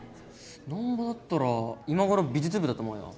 難破だったら今ごろ美術部だと思うよ。